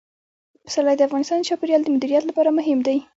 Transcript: پسرلی د افغانستان د چاپیریال د مدیریت لپاره مهم دي.